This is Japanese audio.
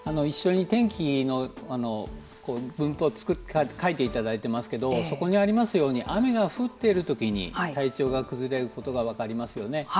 一緒に天気の分布をかいていただいてますけどそこにありますように雨が降っているときに体調が崩れることが分かりますよね。